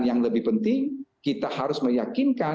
dan yang lebih penting kita harus meyakinkan